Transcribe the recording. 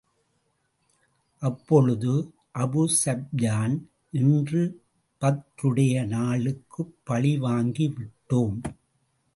அப்பொழுது அபூஸூப்யான், இன்று பத்ருடைய நாளுக்குப் பழி வாங்கிவிட்டோம்.